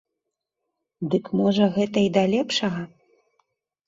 Дык можа гэта і да лепшага?